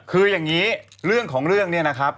คืออย่างนี้เรื่องของเรื่องเนี่ยนะครับ